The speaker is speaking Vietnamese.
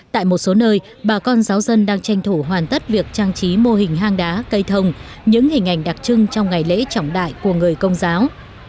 tại một số nơi bà con giáo dân đang tranh thủ hoàn tất việc trang trí mô hình hang đá cây thồng những hình ảnh đặc trưng trong ngày lễ trọng đại của người công giáo